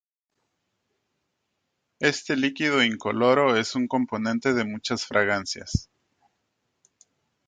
Este líquido incoloro es un componente de muchas fragancias.